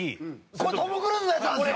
これトム・クルーズのやつなんですよ。